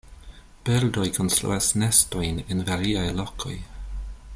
Birdoj konstruas nestojn en variaj lokoj.